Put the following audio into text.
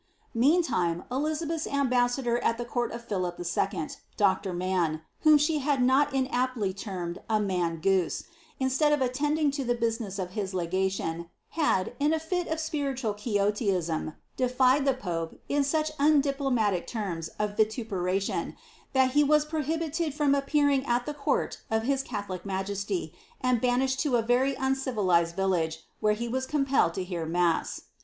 * Meenttnie, Oizabeth's embassador at the court of Philip II., Dr. Hid, whom she had not inaptly termed a man gonse, insteail of attending to the business of his legation, had, in a lit of spiritual Qnixnlism, defifi) the Pope, in such undiplomatic terms of vitupeialion, that he was pro hibited from appearing at the court of his catholic majesty, and banished to a very uncivilized village, where he was compelled to hear mast.'